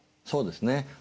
そうですね。